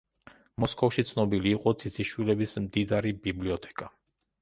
მოსკოვში ცნობილი იყო ციციშვილების მდიდარი ბიბლიოთეკა.